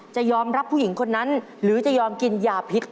จะยอมรับผู้หญิงคนนั้นหรือจะยอมกินยาพิษ